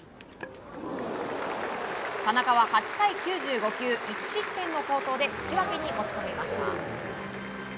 田中は８回９５球１失点の好投で引き分けに持ち込みました。